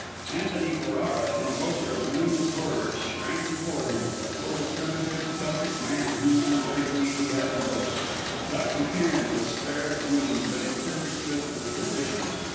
Antony Ferrara, invoker of nameless horrors, shrank before him before the primitive Celtic man whom unwittingly he had invoked. Dr. Cairn was spare and lean, but in perfect physical condition.